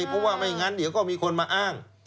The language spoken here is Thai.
เพราะว่าไม่งั้นเดี๋ยวก็มีคนมาอ้าง